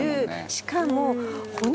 しかも。